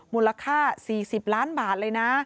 มูลค่า๔๐ล้านบาทเลยนะ